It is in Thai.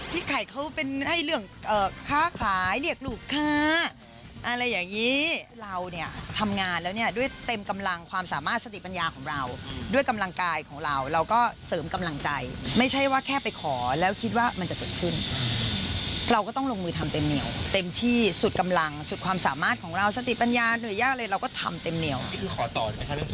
ไข่เขาเป็นให้เรื่องค้าขายเรียกลูกค้าอะไรอย่างนี้เราเนี่ยทำงานแล้วเนี่ยด้วยเต็มกำลังความสามารถสติปัญญาของเราด้วยกำลังกายของเราเราก็เสริมกำลังใจไม่ใช่ว่าแค่ไปขอแล้วคิดว่ามันจะเกิดขึ้นเราก็ต้องลงมือทำเต็มเหนียวเต็มที่สุดกำลังสุดความสามารถของเราสติปัญญาเหนื่อยยากอะไรเราก็ทำเต็มเหนียว